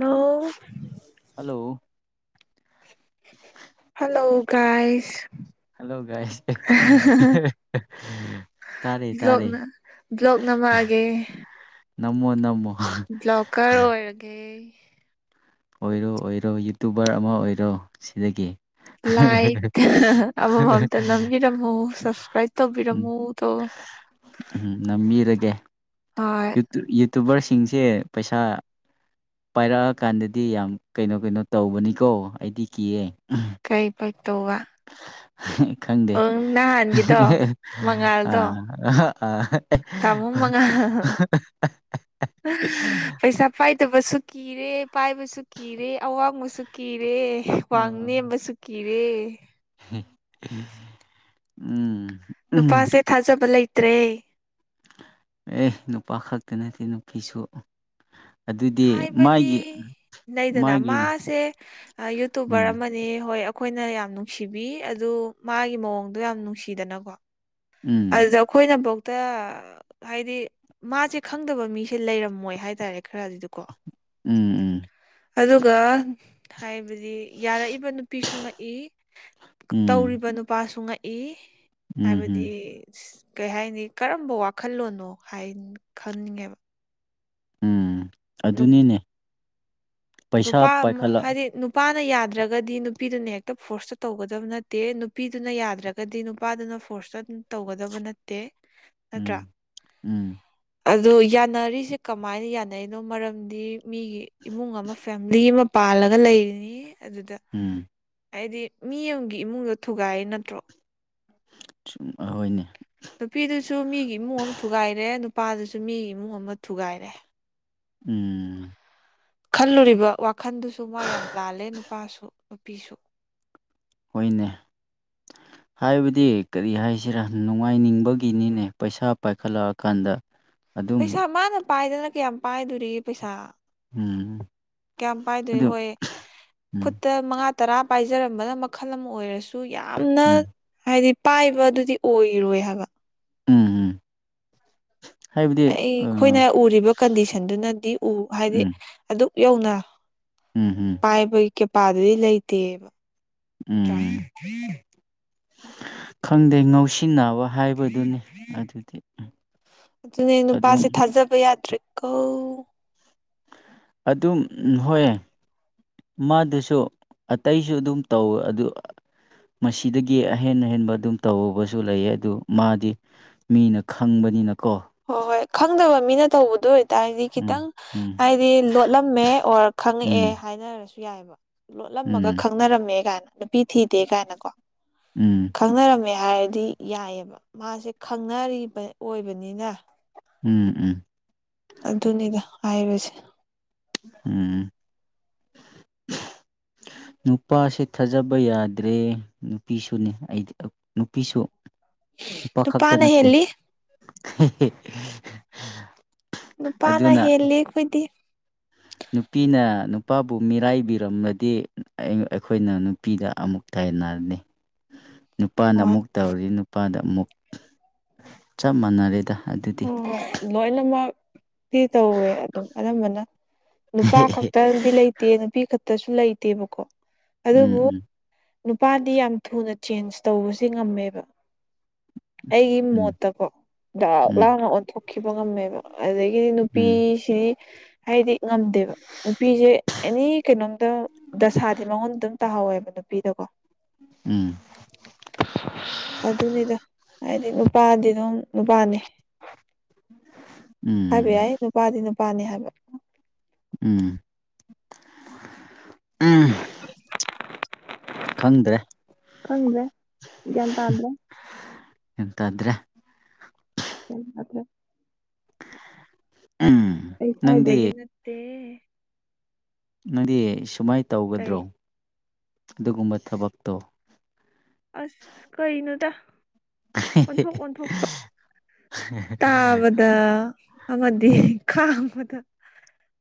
hello hello ꯀꯥꯏꯁ hello ꯀꯥꯏ ꯕ꯭ꯂꯣꯛꯅ ꯕ꯭ꯂꯣꯛ ꯅ ꯃꯥꯑꯒꯦ ꯅꯃꯣ ꯅꯃꯣ ꯕ꯭ꯂꯣꯀꯔ ꯑꯣꯏꯔꯒꯦ ꯑꯣꯏꯔꯣ ꯑꯣꯏꯔꯣ ꯌꯨꯇꯨꯕꯔ ꯑꯃ ꯑꯣꯏꯔꯣ ꯁꯤꯗꯒꯤ ꯂꯥꯏꯛ ꯑꯃꯃꯝꯇ ꯅꯝꯕꯤꯔꯝꯃꯨ ꯁꯞꯁꯀ꯭ꯔꯥꯏꯞ ꯎꯝ ꯇꯧꯕꯤꯔꯝꯃꯨꯗꯣ ꯎꯝ ꯅꯝ ꯃꯤꯔꯒꯦ ꯍꯣꯏ ꯌ ꯑꯛꯇꯨꯕꯔꯁꯤꯡꯁꯦ ꯄꯩꯁꯥ ꯄꯥꯏꯔꯛꯑꯀꯥꯟꯗ ꯗꯤ ꯌꯥꯝ ꯀꯩꯅꯣ ꯀꯩꯅꯣ ꯇꯧꯕꯅꯤꯀꯣ ꯑꯩꯗꯤ ꯀꯤꯌꯦꯦ ꯀꯩ ꯐ ꯇꯒ ꯈꯪꯗꯦ ꯑ ꯃꯉꯥꯜꯗꯣ ꯑ [inaudible] ꯇꯥꯃꯣ ꯃꯉꯥꯜ ꯐꯠꯇꯕꯁꯨ ꯀꯤꯔꯦ ꯄꯥꯏꯕꯁꯨ ꯀꯤꯔꯦ ꯑꯋꯥꯡꯕꯁꯨ ꯀꯤꯔꯦ ꯎꯝ ꯋꯥꯡꯅꯦꯕꯁꯨ ꯀꯤꯔꯦ ꯎꯝ ꯎꯝ ꯅꯨꯄꯥꯁꯦ ꯊꯥꯖꯕ ꯂꯩꯇ꯭ꯔꯦ ꯑꯦ ꯅꯨꯄꯥ ꯈꯛꯇ ꯅꯠꯇꯦ ꯅꯨꯄꯤꯁꯨ ꯑꯗꯨꯗꯤ ꯍꯥꯏꯕꯗꯤ ꯃꯥꯒꯤ ꯅꯗꯅ ꯃꯥꯒꯤ ꯃꯥꯁꯦ ꯌꯨꯇꯨꯕꯔ ꯎꯝ ꯑꯃꯅꯤ ꯍꯣꯏ ꯑꯩꯈꯣꯏꯅ ꯌꯥꯝ ꯅꯨꯡꯁꯤꯕꯤ ꯑꯗꯨ ꯃꯥꯒꯤ ꯃꯑꯣꯡꯗꯣ ꯌꯥꯝ ꯅꯨꯡꯁꯤꯗꯅꯀꯣ ꯎꯝ ꯑꯗꯨꯗ ꯑꯩꯈꯣꯏꯅꯐꯧ ꯗ ꯍꯥꯏꯗꯤ ꯃꯥꯁꯦ ꯈꯪꯗꯕ ꯃꯤꯁꯦ ꯂꯩꯔꯝꯃꯣꯏ ꯍꯥꯏꯇꯥꯔꯦ ꯈꯔꯗꯤꯗꯀꯣ ꯎꯝ ꯎꯝ ꯑꯗꯨꯒ ꯍꯥꯏꯕꯗꯤ ꯍꯥꯏꯗꯤ ꯌꯥꯔꯛꯏꯕ ꯅꯨꯄꯤꯁꯨ ꯉꯛꯏ ꯎꯝ ꯇꯧꯔꯤꯕ ꯅꯨꯄꯥꯁꯨ ꯉꯛꯏ ꯎꯝ ꯍꯝ ꯍꯥꯏꯕꯗꯤ ꯀꯩ ꯍꯥꯏꯅꯤ ꯀꯔꯝꯕ ꯋꯥꯈꯜꯂꯣꯟꯅꯣ ꯍꯥꯏ ꯈꯪꯅꯤꯡꯉꯦꯕ ꯎꯝ ꯑꯗꯨꯅꯤꯅꯦ ꯄꯩꯁꯥ ꯅꯨꯄꯥ ꯄꯥꯏꯈꯠꯂꯛ ꯍꯥꯏ ꯅꯨꯄꯥ ꯅꯨꯄꯥꯅ ꯌꯥꯗ꯭ꯔꯒꯗꯤ ꯅꯨꯄꯤꯗꯨꯅ ꯍꯦꯛꯇ ꯐꯣꯔꯁꯇ ꯇꯧꯒꯗꯕ ꯅꯠꯇꯦ ꯅꯨꯄꯤꯗꯨꯅ ꯌꯥꯗ꯭ꯔꯒꯗꯤ ꯅꯨꯄꯥꯗꯨꯅ ꯐꯣꯔꯁꯇ ꯇꯧꯒꯗꯕ ꯅꯠꯇꯦ ꯎꯝ ꯎꯝ ꯑꯣ ꯌꯥꯅꯔꯤꯁꯦ ꯀꯃꯥꯏꯅ ꯌꯥꯅꯔꯤꯅꯣ ꯃꯔꯝꯗꯤ ꯃꯤꯒꯤ ꯏꯃꯨꯡ ꯑꯃ ꯐꯦꯃꯤꯂꯤ ꯑꯃ ꯄꯥꯜꯂꯒ ꯂꯩꯔꯤꯅꯤ ꯑꯗꯨꯗ ꯎꯝ ꯍꯥꯏꯗꯤ ꯃꯤ ꯑꯃꯒꯤ ꯏꯃꯨꯡꯗꯣ ꯊꯨꯒꯥꯏꯌꯦ ꯅꯠꯇ꯭ꯔꯣ ꯑꯍꯣꯏꯅꯦ ꯅꯨꯄꯤꯗꯨꯁꯨ ꯃꯤꯒꯤ ꯏꯃꯨꯡ ꯑꯃ ꯊꯨꯒꯥꯏꯔꯦ ꯅꯨꯄꯥꯗꯨꯁꯨ ꯃꯤꯒꯤ ꯏꯃꯨꯡ ꯑꯃ ꯊꯨꯒꯥꯏꯔꯦ ꯎꯝ ꯈꯜꯂꯨꯔꯤꯕ ꯋꯥꯈꯟꯗꯨꯁꯨ ꯃꯥ ꯌꯥꯝ ꯇꯥꯜꯂꯦ ꯅꯨꯄꯥꯁꯨ ꯅꯨꯄꯤꯁꯨ ꯑꯣꯏꯅꯅꯦ [inaudible] ꯍꯥꯏꯕꯗꯤ ꯀꯔꯤ ꯍꯥꯏꯁꯤꯔꯥ ꯅꯨꯡꯉꯥꯏꯅꯤꯡꯕꯒꯤꯅꯤꯅꯦ ꯄꯩꯁꯥ ꯄꯥꯏꯈꯠꯂꯛꯑꯀꯥꯟꯗ ꯑꯗꯨꯝ ꯄꯩꯁꯥ ꯃꯥꯅ ꯄꯥꯏꯗꯅ ꯀꯌꯥꯝ ꯄꯥꯏꯗꯣꯔꯤ ꯄꯩꯁꯥ ꯎꯝ ꯀꯌꯥꯝ ꯄꯥꯏꯗꯣꯏ ꯑꯗꯨ ꯍꯣꯏ ꯎꯝ ꯈꯨꯠꯇ ꯃꯉꯥ ꯇꯔꯥ ꯄꯥꯏꯖꯔꯝꯕꯅ ꯃꯈꯜ ꯑꯃ ꯑꯣꯏꯔꯁꯨ ꯌꯥꯝꯅ ꯎꯝ ꯍꯥꯏꯗꯤ ꯄꯥꯏꯕ ꯑꯗꯨꯗꯤ ꯑꯣꯏꯔꯣꯏ ꯍꯥꯏꯕ ꯎꯝ ꯎꯝ ꯍꯥꯏꯕꯗꯤ ꯑꯩ ꯎꯝ ꯑꯩꯈꯣꯏꯅ ꯎꯔꯤꯕ ꯀꯟꯗꯤꯁꯟꯗꯨꯅꯗꯤ ꯎ ꯍꯥꯏꯗꯤ ꯎꯝ ꯑꯗꯨꯛ ꯌꯧꯅ ꯎꯝ ꯄꯥꯏꯕꯒꯤ ꯀꯦꯄꯥꯗꯨꯗꯤ ꯂꯩꯇꯦꯕ ꯅꯠꯇ꯭ꯔꯥ ꯎꯝ ꯈꯪꯗꯦ ꯉꯧꯁꯤꯟꯅꯕ ꯍꯥꯏꯕꯗꯨꯅꯤ ꯑꯗꯨꯗꯤ ꯎ ꯑꯗꯨꯅꯦ ꯅꯨꯄꯥꯁꯦ ꯊꯥꯖꯕ ꯌꯥꯗ꯭ꯔꯦꯀꯣ ꯑꯗꯨꯝ ꯍꯣꯏ ꯃꯥꯗꯨꯁꯨ ꯑꯇꯩꯁꯨ ꯑꯗꯨꯝ ꯇꯧꯋꯦ ꯑꯗꯨ ꯃꯁꯤꯗꯒꯤ ꯑꯍꯦꯟ ꯑꯍꯦꯟꯕ ꯑꯗꯨꯝ ꯇꯧꯕꯁꯨ ꯂꯩꯌꯦ ꯑꯗꯨ ꯃꯥꯗꯤ ꯃꯤꯅ ꯈꯪꯕꯅꯤꯅꯀꯣ ꯍꯣꯏ ꯍꯣꯏ ꯈꯪꯗꯕ ꯃꯤꯅ ꯇꯧꯕꯗꯣ ꯍꯥꯏꯗꯤ ꯎꯝ ꯈꯤꯇꯪ ꯎꯝ ꯍꯥꯏꯗꯤ ꯂꯣꯠꯂꯝꯃꯦ ꯑꯣꯔ ꯈꯪꯉꯛꯑꯦ ꯎꯝ ꯍꯥꯏꯅꯔꯁꯨ ꯌꯥꯏꯑꯕ ꯂꯣꯠꯂꯝꯃꯒ ꯎꯝ ꯈꯪꯅꯔꯝꯃꯦ ꯀꯥꯏꯅ ꯅꯨꯄꯤ ꯊꯤꯗꯦ ꯀꯥꯏꯅꯀꯣ ꯎꯝ ꯈꯪꯅꯔꯝꯃꯦ ꯍꯥꯏꯔꯗꯤ ꯌꯥꯏꯑꯕ ꯃꯥꯁꯦ ꯈꯪꯅꯔꯤꯕ ꯑꯣꯏꯕꯅꯤꯅ ꯎꯝ ꯎꯝ ꯑꯗꯨꯅꯤꯗ ꯍꯥꯏꯕꯁꯦ ꯎꯝ [inaudible] ꯅꯨꯄꯥꯁꯦ ꯊꯥꯖꯕ ꯌꯥꯗ꯭ꯔꯦ ꯅꯨꯄꯤꯁꯨꯅꯦꯗꯤ ꯅꯨꯄꯤꯁꯨ ꯎꯄꯥꯈꯛꯇ ꯅꯨꯄꯥꯅ ꯅꯠꯇꯦ ꯍꯦꯜꯂꯤ ꯅꯨꯄꯥꯅ ꯑꯗꯨꯅ ꯍꯦꯜꯂꯤ ꯑꯩꯈꯣꯏꯗꯤ ꯅꯨꯄꯤꯅ ꯅꯨꯄꯥꯕꯨ ꯃꯤꯔꯥꯏꯕꯤꯔꯝꯃꯗꯤ ꯑꯩꯈꯣꯏꯅ ꯅꯨꯄꯤꯗ ꯑꯃꯨꯛ ꯊ ꯄꯅꯥꯅꯤ [inaudible] ꯅꯨꯄꯥꯗ ꯍꯣꯏ ꯑꯃꯨꯛ ꯇꯧꯔꯤ ꯅꯨꯄꯥꯗ ꯑꯃꯨꯛ ꯆꯞ ꯃꯥꯟꯅꯔꯦꯗ ꯑꯗꯨꯗꯤ ꯑ ꯂꯣ ꯂꯝꯃ ꯤ ꯇꯧꯋꯦ ꯑꯗꯨꯝ ꯑꯅꯝꯕꯅ ꯅꯨꯄꯥ ꯈꯛꯇꯗꯤ ꯂꯩꯇꯦ ꯅꯨꯄꯤ ꯈꯛꯇꯁꯨ ꯂꯩꯇꯦꯕꯀꯣ ꯎꯝ ꯑꯗꯨꯕꯨ ꯎꯝ ꯅꯨꯄꯥꯗꯤ ꯌꯥꯝ ꯊꯨꯅ ꯆꯦꯟꯖ ꯇꯧꯕꯁꯤꯦ ꯉꯝꯃꯦꯕ ꯑꯩꯒꯤ ꯎꯝ ꯃꯣꯠꯇꯀꯣ ꯗꯥꯛ ꯎꯝ ꯂꯥꯡꯅ ꯑꯣꯟꯊꯣꯛꯈꯤꯕ ꯉꯝꯃꯦꯕ ꯑꯗꯒꯤꯗꯤ ꯎꯝ ꯅꯨꯄꯤꯁꯤꯗꯤ ꯍꯥꯏꯗꯤ ꯉꯝꯗꯦꯕ ꯅꯨꯄꯤꯁꯦ ꯑꯦꯅꯤ ꯀꯩꯅꯣꯝꯇ ꯗꯁꯥꯗꯤ ꯃꯉꯣꯟ ꯑꯗꯨꯝ ꯇꯥꯍꯧꯋꯦꯕ ꯅꯨꯄꯤꯗꯀꯣ ꯎꯝ ꯑꯗꯨꯅꯤꯗ ꯍꯥꯏꯗꯤ ꯅꯨꯄꯥꯗꯤ ꯑꯗꯨꯝ ꯅꯨꯄꯥꯅꯤ ꯎꯝ ꯍꯥꯏꯕ ꯎꯝ ꯌꯥꯏ ꯅꯨꯄꯥꯗꯤ ꯅꯨꯄꯥꯅꯤ ꯍꯥꯏꯕ ꯎꯝ ꯎꯝ [unintelligible] ꯈꯪꯗ꯭ꯔꯦ ꯈꯟ꯭ꯔꯦꯒꯇ꯭ꯔꯦ ꯑꯦꯇꯗ꯭ꯔꯦ ꯃꯗꯦ ꯎꯝ ꯑꯩ ꯅꯪꯗꯤ ꯊꯕꯒꯤ ꯅꯠꯇꯦ ꯅꯪꯗꯤ ꯁꯨꯃꯥꯏꯅ ꯀꯩ ꯇꯧꯒꯗ꯭ꯔꯣ ꯑꯗꯨꯒꯨꯝꯕ ꯊꯕꯛꯇꯣ ꯑꯁ ꯀꯩꯅꯣꯗ ꯑꯣꯟꯊꯣꯛ ꯑꯣꯟꯊꯣꯛ ꯇꯥꯕꯗ ꯑꯃꯗꯤ ꯈꯥꯡꯕꯗ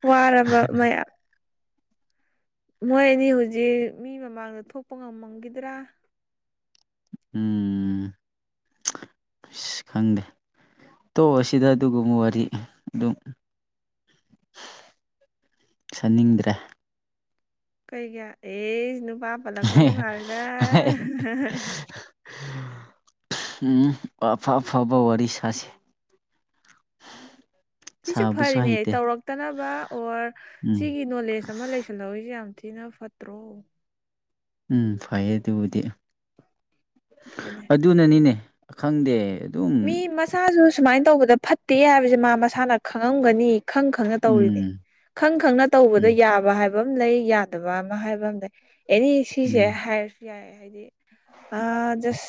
ꯋꯥꯔꯕ ꯃꯌꯥꯝ ꯃꯣꯏ ꯑꯅꯤ ꯍꯧꯖꯤꯛ ꯃꯤ ꯃꯃꯥꯡꯗ ꯊꯣꯛꯄ ꯉꯝꯃꯝꯈꯤꯗ꯭ꯔꯥ ꯎꯝ ꯑ ꯈꯪꯗꯦ ꯇꯣꯛꯑ ꯁꯤꯗ ꯑꯗꯨꯒꯨꯝꯕ ꯋꯥꯔꯤ ꯑꯗꯨꯝ [inaudible] ꯁꯥꯅꯤꯡꯗ꯭ꯔꯦ ꯀꯩ ꯀꯌꯥ ꯑꯦꯁ ꯅꯨꯄꯥ ꯄꯜꯂꯛꯄꯒꯤ ꯃꯥꯔꯤꯗ ꯎꯝ ꯑꯐ ꯑꯐꯥꯕ ꯋꯥꯔꯤ ꯁꯥꯁꯤꯦ [inaudible] ꯁꯤꯁꯨ ꯐꯔꯤꯅꯦ ꯍꯩꯇꯦ ꯇꯧꯔꯛꯇꯅꯕ ꯑꯣꯔ ꯎꯝ ꯁꯤꯒꯤ ꯅꯣꯂꯦꯖ ꯑꯃ ꯂꯩꯁꯜꯍꯧꯔꯤꯁꯦ ꯌꯥꯝ ꯅ ꯐꯠꯇ꯭ꯔꯣ ꯎꯝ ꯐꯩꯌꯦ ꯑꯗꯨꯕꯨꯗꯤ ꯑꯗꯨꯅꯦ ꯑꯗꯨꯅꯅꯤꯅꯦ ꯈꯪꯗꯦ ꯑꯗꯨꯝ ꯃꯤ ꯃꯆꯥꯥꯁꯨ ꯁꯨꯃꯥꯏꯅ ꯇꯧꯕꯗ ꯐꯠꯇꯦ ꯍꯥꯏꯕꯁꯦ ꯃꯥ ꯃꯁꯥꯅ ꯈꯪꯉꯝꯒꯅꯤ ꯈꯪ ꯈꯪꯅ ꯇꯧꯔꯤꯅꯦ ꯎꯝ ꯈꯪ ꯈꯪꯅ ꯇꯧꯕꯗ ꯎꯝ ꯌꯥꯕ ꯍꯥꯏꯕ ꯂꯩ ꯌꯥꯗꯕ ꯑꯃ ꯍꯥꯏꯕ ꯑꯃꯝ ꯂꯩ ꯑꯦꯅꯤ ꯁꯤꯁꯦ ꯎꯝ ꯍꯥꯏꯔꯁꯨ ꯌꯥꯏ ꯍꯥꯏꯗꯤ ꯖꯁ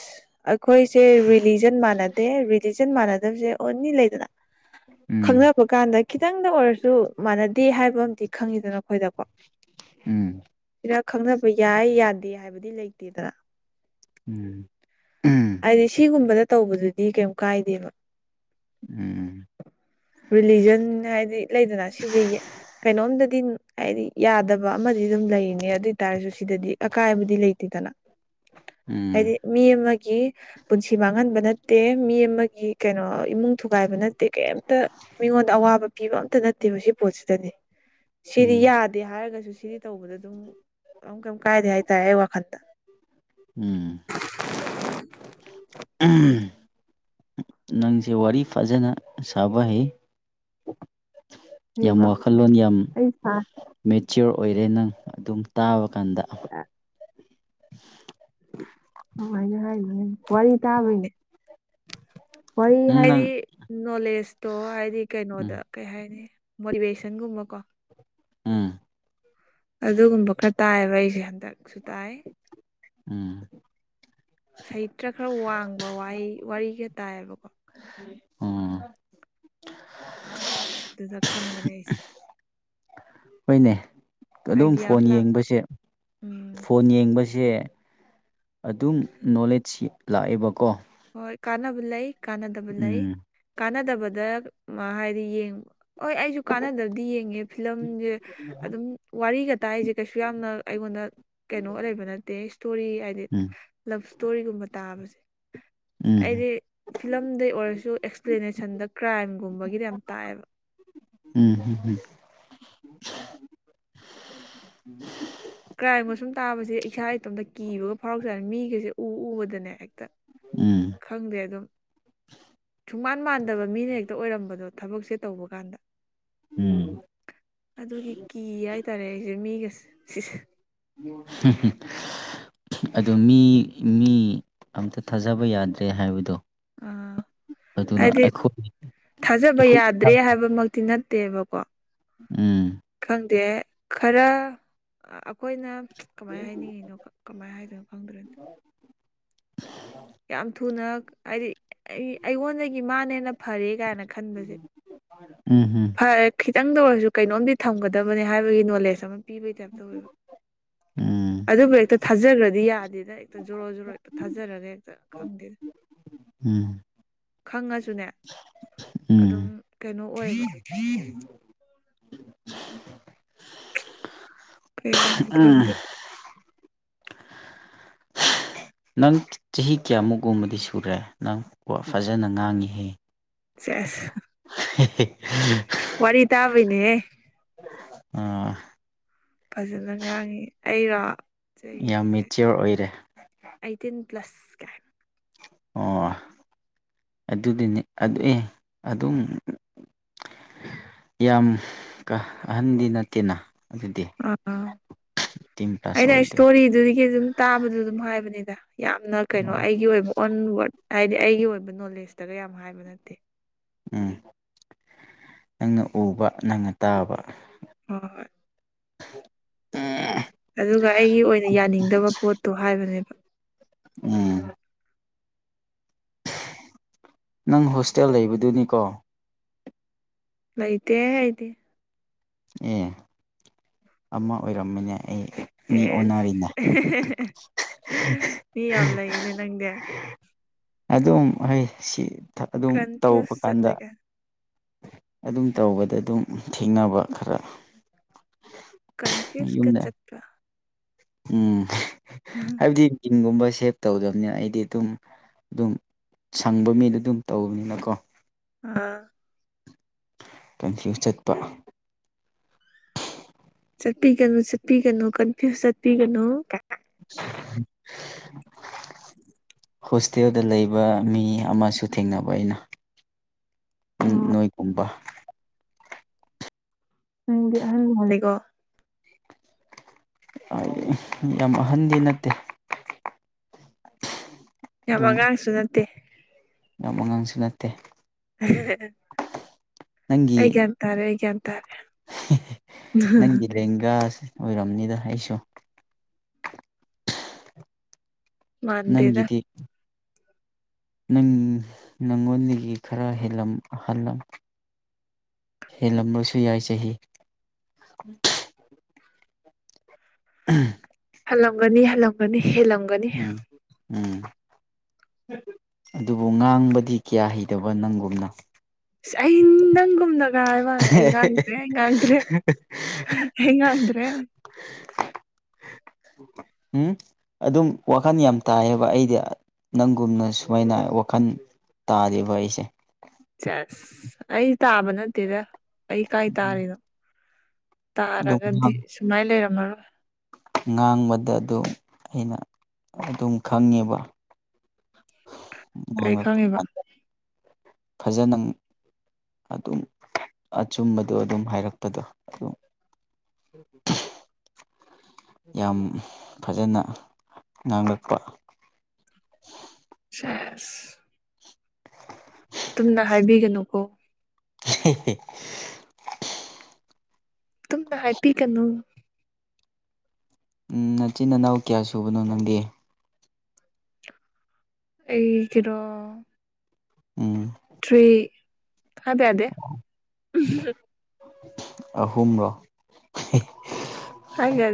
ꯑꯩꯈꯣꯏꯁꯦ ꯔꯤꯂꯤꯖꯟ ꯃꯥꯟꯅꯗꯦ ꯔꯤꯂꯤꯖꯟ ꯃꯥꯟꯅꯗꯕꯖꯦ ꯑꯣꯟꯅꯤ ꯂꯩꯗꯅ ꯈꯪꯅꯕ ꯀꯥꯟꯗ ꯈꯤꯇꯪꯗ ꯑꯣꯏꯔꯁꯨ ꯃꯥꯟꯅꯗꯦ ꯍꯥꯏꯕ ꯑꯝ ꯈꯪꯉꯤꯗꯅ ꯑꯩꯈꯣꯏꯗ ꯎꯝ ꯔ ꯈꯪꯅꯕ ꯌꯥꯏ ꯌꯥꯗꯦ ꯍꯥꯏꯕꯗꯤ ꯂꯩꯇꯦꯗꯅ ꯎꯝ ꯍꯥꯏꯗꯤ ꯁꯤꯒꯨꯝꯕꯗ ꯇꯧꯕꯗꯨꯗꯤ ꯀꯩ ꯀꯥꯏꯗꯦꯕ ꯎꯝ ꯔꯤꯂꯤꯖꯟ ꯍꯥꯏꯗꯤ ꯂꯩꯗꯅ ꯁꯤꯁꯦ ꯀꯩꯅꯣꯝꯗꯗꯤ ꯍꯥꯏꯗꯤ ꯌꯥꯗꯕ ꯑꯃꯗꯤ ꯑꯗꯨꯝ ꯂꯩꯅꯦ ꯑꯗꯨꯏꯇꯥꯔꯁꯨ ꯁꯤꯗꯗꯤ ꯑꯀꯥꯏꯕꯗꯤ ꯂꯩꯇꯦꯗꯅ ꯎꯝ ꯎꯝ ꯍꯥꯏꯗꯤ ꯃꯤ ꯑꯃꯒꯤ ꯒꯤ ꯄꯨꯟꯁꯤ ꯃꯥꯡꯍꯟꯕ ꯅꯠꯇꯦ ꯃꯤ ꯑꯃꯒꯤ ꯀꯩꯅꯣ ꯏꯃꯨꯡ ꯊꯨꯒꯥꯏꯕ ꯅꯠꯇꯦ ꯀꯩꯝꯇ ꯃꯤꯉꯣꯟꯗ ꯑꯋꯥꯕ ꯄꯤꯕ ꯑꯝꯇ ꯅꯠꯇꯦꯕ ꯁꯤ ꯄꯣꯠꯁꯤꯗꯅꯦ ꯁꯤꯗꯤ ꯎꯝ ꯌꯥꯗꯦ ꯍꯥꯏꯔꯒꯁꯨ ꯁꯤꯗꯤ ꯇꯧꯕꯗ ꯑꯗꯨꯝ ꯀꯝ ꯀꯩꯝ ꯀꯥꯏꯗꯦ ꯍꯥꯏꯇꯥꯔꯦ ꯑꯩ ꯋꯥꯈꯜ ꯎꯝ ꯅꯪꯁꯦ ꯋꯥꯔꯤ ꯐꯖꯅ ꯁꯥꯕ ꯍꯩ ꯌꯥꯝ ꯁꯦꯡꯕ ꯋꯥꯈꯜꯂꯣꯟ ꯌꯥꯝ ꯑꯩ ꯏꯁꯥꯁꯦ ꯃꯤꯠ ꯆꯤꯌꯣꯔ ꯑꯣꯏꯔꯦ ꯅꯪ ꯑꯗꯨꯝ ꯇꯥꯕ ꯀꯥꯟꯗ [inaudible] ꯍꯥꯏ ꯋꯥꯔꯤ ꯇꯅꯦ ꯋꯥꯔꯤ ꯎꯝ ꯅꯪ ꯍꯥꯏꯗꯤ ꯅꯣꯂꯦꯖꯇꯣ ꯍꯥꯏꯗꯤ ꯀꯩꯅꯣꯗ ꯎꯝ ꯀꯩ ꯍꯥꯏꯅꯤ ꯃꯣꯇꯤꯚꯦꯁꯟꯒꯨꯝꯕꯀꯣ ꯎꯝ ꯑꯗꯨꯒꯨꯝꯕ ꯈꯔ ꯇꯥꯏꯑꯕ ꯑꯩꯁꯦ ꯍꯟꯗꯛꯁꯨ ꯇꯥꯏ ꯎꯝ ꯁꯍꯤꯇ꯭ꯔ ꯈꯔ ꯋꯥꯡꯕ ꯋꯥꯍꯩ ꯋꯥꯔꯤꯒ ꯇꯥꯏꯌꯦꯕꯀꯣ ꯑꯣ ꯑꯗꯨꯗ ꯈꯪꯕꯅꯦ ꯑꯩꯁꯦ ꯍꯈꯣꯏꯅꯦ ꯑꯗꯨꯝ ꯑꯥꯏꯗꯤꯌꯥ ꯑꯃ ꯐꯣꯟ ꯂꯥꯛꯄ ꯌꯦꯡꯕꯁꯦ ꯎꯝ ꯐꯣꯟ ꯌꯦꯡꯕꯁꯦ ꯁꯦ ꯑꯗꯨꯝ ꯅꯣꯂꯦꯖ ꯂꯥꯛꯑꯦꯕꯀꯣ ꯍꯣꯏ ꯀꯥꯟꯅꯕ ꯂꯩ ꯀꯥꯟꯅꯗꯕ ꯂꯩ ꯎꯝ ꯀꯥꯟꯅꯗꯕꯗ ꯍꯥꯏꯗꯤ ꯌꯦꯡ ꯍꯣꯏ ꯑꯩꯁꯨ ꯀꯥꯟꯅꯗꯕꯗꯤ ꯌꯦꯡꯉꯦ ꯐꯤꯂꯝꯁꯦ ꯑꯗꯨꯝ ꯋꯥꯔꯤꯒ ꯇꯥꯏꯁꯦ ꯀꯩꯁꯨ ꯌꯥꯝꯅ ꯑꯩꯉꯣꯟꯗ ꯀꯩꯅꯣ ꯂꯩꯕ ꯅꯠꯇꯦ ꯏꯁꯇꯣꯔꯤ ꯍꯥꯏꯗꯤ ꯎꯝ ꯂꯞ ꯏꯁꯇꯣꯔꯤꯒꯨꯝꯕ ꯇꯥꯕꯁꯦ ꯎꯝ ꯑꯩꯗꯤ ꯐꯤꯂꯝꯗꯩ ꯑꯣꯏꯔꯁꯨ ꯑꯦꯛꯁꯄ꯭ꯂꯦꯅꯦꯁꯟꯗ ꯀ꯭ꯔꯥꯏꯝꯒꯨꯝꯕꯒꯤꯗꯤ ꯌꯥꯝ ꯇꯥꯛꯑꯦꯕ ꯎꯝ ꯎꯝ ꯀ꯭ꯔꯥꯏꯝꯒ ꯁꯨꯝ ꯇꯥꯕꯁꯦ ꯏꯁꯥ ꯏꯇꯣꯝꯇ ꯀꯤꯕꯒ ꯐꯥꯎꯔꯛꯆꯅꯤ ꯃꯤꯒꯩꯁꯦ ꯎ ꯎꯕꯗꯅꯦ ꯍꯦꯛꯇ ꯎꯝ ꯈꯪꯗꯦ ꯑꯗꯨꯝꯨꯡꯃ ꯃꯥꯟꯗꯕ ꯃꯤꯅ ꯍꯦꯛꯇ ꯑꯣꯏꯔꯝꯕꯗꯣ ꯊꯕꯛꯁꯦ ꯇꯧꯕ ꯀꯥꯟꯗ ꯎꯝ ꯑꯗꯨꯒꯤ ꯀꯤ ꯍꯥꯏꯇꯥꯔꯦ ꯑꯩꯁꯦ ꯃꯤꯒ ꯁꯤꯁ [inaudible] ꯑꯗꯨ ꯃꯤ ꯃꯤ ꯑꯝꯇ ꯊꯥꯖꯕ ꯌꯥꯗ꯭ꯔꯦ ꯍꯥꯏꯕꯗꯣ ꯑꯥ ꯑꯗꯨꯅ ꯍꯥꯏꯗꯤ ꯑꯩꯈꯣꯏ ꯊꯥꯖꯕ ꯑꯩꯈꯣꯏ ꯌꯥꯗ꯭ꯔꯦ ꯍꯥꯏꯕꯃꯛꯇꯤ ꯅꯠ ꯠꯇꯦꯕꯀꯣ ꯎꯝ ꯪ ꯗꯦ ꯈꯔ ꯑꯩꯈꯣꯏꯅ ꯀꯃꯥꯏꯅ ꯍꯥꯏꯅꯤꯡꯉꯤꯅꯣ ꯀꯃꯥꯏꯅ ꯍꯥꯏꯗꯣꯏꯅꯣ ꯈꯪꯗ꯭ꯔꯅꯣ ꯌꯥꯝ ꯊꯨꯅ ꯍꯥꯏꯗꯤ ꯑꯩꯉꯣꯟꯗꯒꯤ ꯃꯥꯅ ꯍꯦꯟꯅ ꯐꯔꯦ ꯀꯥꯏꯅ ꯈꯟꯕꯁꯦ ꯎꯝ ꯐꯔꯦ ꯈꯤꯇꯪ ꯇ ꯑꯣꯏꯔꯁꯨ ꯀꯩꯅꯣꯝꯗꯤ ꯊꯝꯒꯗꯕꯅꯦ ꯍꯥꯏꯕꯒꯤ ꯅꯣꯂꯦꯖ ꯑꯃ ꯄꯤꯕꯒꯤ ꯇꯥꯏꯞꯇꯧꯋꯦꯕ ꯎꯝ ꯑꯗꯨꯕꯨ ꯍꯦꯛꯇ ꯊꯥꯖꯈ꯭ꯔꯗꯤ ꯌꯥꯗꯦꯗ ꯍꯦꯛꯇ ꯖꯣꯔꯣ ꯖꯣꯔꯣ ꯍꯦꯛꯇ ꯊꯥꯖꯔꯒ ꯍꯦꯛꯇ ꯈꯪꯗꯦ ꯎꯝ ꯈꯪꯉꯁꯨꯅꯦ ꯎꯝ ꯑꯗꯨꯝ ꯀꯩꯅꯣ ꯑꯣꯏꯕ ꯀꯌꯥ ꯎꯝ ꯈꯗꯅꯤ ꯅꯪ ꯆꯍꯤ ꯀꯌꯥꯃꯨꯛꯒꯨꯝꯕꯗꯤ ꯁꯨꯔꯦ ꯅꯪ ꯐꯖꯅ ꯉꯥꯡꯉꯤꯍꯦ ꯆꯁ ꯋꯥꯔꯤ ꯇꯥꯕꯅꯦ ꯑꯥ ꯐꯖꯅ ꯉꯥꯡꯉꯤ ꯑꯩꯔꯣ ꯌꯥꯝ ꯆꯍꯤꯁꯦ ꯃꯦꯆꯤꯌꯣꯔ ꯑꯣꯏꯔꯦ ꯑꯩꯠꯇꯤꯟ ꯄ꯭ꯂꯁ ꯀꯥꯏ ꯑꯣ ꯑꯗꯨꯗꯤꯅꯦ ꯑꯦ ꯑꯗꯨꯝ ꯌꯥꯝ ꯑꯍꯟꯗꯤ ꯅꯠꯇꯦꯅ ꯑꯗꯨꯗꯤ ꯑ ꯑꯩꯠꯇꯤꯟ ꯄ꯭ꯂꯁ ꯑꯩꯅ ꯑꯣꯏꯔꯗꯤ ꯁꯇꯣꯔꯤ ꯑꯗꯨꯝ ꯇꯥꯕꯗꯨ ꯑꯗꯨꯝ ꯍꯥꯏꯕꯅꯤꯗ ꯌꯥꯝꯅ ꯀꯩꯅꯣ ꯑꯣ ꯑꯩꯒꯤ ꯑꯣꯏꯕ ꯑꯣꯟ ꯋꯥꯔꯗ ꯍꯥꯏꯗꯤ ꯑꯩꯒꯤ ꯑꯣꯏꯕ ꯅꯣꯂꯦꯖꯇꯒ ꯌꯥꯝ ꯍꯥꯏꯕ ꯅꯠꯇꯦ ꯎꯝ ꯅꯪꯅ ꯎꯕ ꯅꯪꯅ ꯇꯥꯕ ꯍꯣꯏ ꯑ ꯑꯗꯨꯒ ꯑꯩꯒꯤ ꯑꯣꯏꯅ ꯌꯥꯅꯤꯡꯗꯕ ꯄꯣꯠꯇꯣ ꯍꯥꯏꯕꯅꯦꯕ ꯎꯝ ꯅꯪ ꯍꯣꯁꯇꯦꯜ ꯂꯩꯕꯗꯨꯅꯤꯀꯣ ꯂꯩꯥꯏꯇꯦ ꯍꯥꯏꯗꯤ ꯑꯦ ꯑꯃ ꯑꯣꯏꯔꯝꯃꯤꯅꯦ ꯑꯩ ꯃꯤ ꯑꯣꯟꯅꯔꯤꯅꯦ ꯑꯦꯁ ꯃꯤ ꯌꯥꯝ ꯂꯩꯅꯦ ꯅꯪꯗꯤ ꯑꯗꯨꯝ ꯍꯣꯏ ꯁꯤ ꯑꯗꯨꯝ ꯇꯧꯕ ꯀꯟꯐ꯭ꯌꯨꯁ ꯀꯥꯟꯗ ꯆꯠꯂꯒ ꯑꯗꯨꯝ ꯇꯧꯕꯗ ꯑꯗꯨꯝ ꯊꯦꯡꯅꯕ ꯈꯔ ꯀꯟꯐ꯭ꯌꯨꯁ ꯀ ꯌꯨꯝꯗ ꯆꯠꯄ ꯎꯝ ꯍꯥꯏꯕꯗꯤ ꯆꯤꯡꯒꯨꯝꯕ ꯁꯦꯞ ꯇꯧꯗꯕꯅꯤꯅ ꯑꯩꯗꯤ ꯑꯗꯨꯝ ꯑꯗꯨꯝ ꯁꯪꯕ ꯃꯤꯗꯣ ꯑꯗꯨꯝ ꯇꯧꯕꯅꯤꯅꯀꯣ ꯑ ꯀꯟꯐ꯭ꯌꯨ ꯆꯠꯄ ꯆꯠꯄꯤꯒꯅꯨ ꯆꯠꯄꯤꯒꯅꯨ ꯀꯟꯐ ꯆꯠꯄꯤꯒꯅꯨ [inaudible] ꯍꯣꯁꯇꯦꯜꯗ ꯂꯩꯕ ꯃꯤ ꯑꯃꯁꯨ ꯊꯦꯡꯅꯕ ꯑꯩꯅ ꯎ ꯑꯣ ꯅꯣꯏꯒꯨꯝꯕ ꯅꯪꯗꯤ ꯑ ꯍ ꯂꯩꯀꯣ ꯌꯥꯝ ꯑꯍꯟꯗꯤ ꯅꯠꯇꯦ ꯑꯗꯨꯝ ꯌꯥꯝꯕꯉꯥꯡꯁꯨ ꯅꯠꯇꯦ ꯌꯥꯝ ꯑꯉꯥꯡꯁꯨ ꯅꯠꯇꯦ ꯅꯪꯒꯤ ꯍꯩꯒꯦꯇꯥꯔꯦ ꯍꯒꯦ ꯅꯪꯒꯤ ꯂꯦꯡꯒꯥꯁ ꯑꯣꯏꯔꯕꯝꯅꯤꯗ ꯑꯩꯁꯨ ꯃꯥꯟꯗꯦꯗ ꯅꯪꯒꯤꯗꯤ ꯅꯪ ꯅꯪꯉꯣꯟꯗꯒꯤ ꯈꯔ ꯍꯂꯝꯍꯜꯂꯝ ꯍꯦꯜꯂꯝꯂꯁꯨ ꯌꯥꯏ ꯆꯍꯤ ꯎꯝ ꯍꯜꯂꯝꯒꯅꯤ ꯍꯜꯂꯝꯒꯅꯤ ꯍꯦꯜꯂꯝꯒꯅꯤ ꯎꯝ ꯎꯝ ꯑꯗꯨꯕꯨ ꯉꯥꯡꯕꯗꯤ ꯀꯌꯥ ꯍꯩꯗꯕ ꯅꯪꯒꯨꯝꯅ [inaudible] ꯒ ꯍꯥꯏ ꯋꯥꯅꯦ ꯑꯩ ꯉꯥꯡꯗ꯭ꯔꯦ ꯑꯩ ꯉꯥꯡꯗ꯭ꯔꯦ ꯑꯩ ꯉꯥꯡꯗ꯭ꯔꯦ [unintelligible] ꯎꯝ ꯑꯗꯨꯝ ꯋꯥꯈꯜ ꯌꯥꯝ ꯇꯥꯏꯌꯦꯕ ꯑꯩꯗꯤ ꯅꯪꯒꯨꯝꯅ ꯁꯨꯃꯥꯏꯅ ꯋꯥꯈꯜ ꯇꯥꯜꯂꯤꯕ ꯑꯩꯁꯦ ꯆꯁ ꯑꯩ ꯇꯥꯕ ꯅꯠꯇꯦꯗ ꯑꯩ ꯀꯥꯏ ꯇꯥꯔꯤꯅꯣ ꯑꯗꯨꯝ ꯇꯥꯔꯒꯗꯤ ꯁꯨꯃꯥꯏ ꯂꯩꯔꯝꯃꯔꯣꯏ ꯉꯥꯡꯕꯗ ꯑꯗꯨꯝ ꯑꯩꯅ ꯑꯗꯨꯝ ꯈꯪꯉꯦꯕ [inaudible] ꯉꯥꯡꯂꯛꯄ ꯈꯪꯉꯤꯕ ꯐꯖꯅ ꯑꯗꯨꯝ ꯑꯆꯨꯝꯕꯗꯣ ꯑꯗꯨꯝ ꯍꯥꯏꯔꯛꯄꯗꯣ ꯑꯗꯨꯝ ꯎ ꯌꯥꯝ ꯐꯖꯅ ꯉꯥꯡꯂꯛꯄ ꯑꯁ [unintelligible] ꯇꯝꯅ ꯍꯥꯏꯕꯤꯒꯅꯨꯀꯣ [unintelligible] ꯇꯝꯅ ꯍꯥꯏꯄꯤꯒꯅꯨ ꯎꯝ ꯅꯆꯤꯟ ꯏꯅꯥꯎ ꯀꯌꯥ ꯁꯨꯕꯅꯣ ꯅꯪꯒꯤ ꯑꯩ ꯀꯩꯅꯣ ꯎꯝ ꯊꯔꯤ ꯑꯗꯦ ꯑꯗꯦ ꯑꯍꯨꯝꯨꯝ ꯔꯣ ꯍꯥꯏꯦ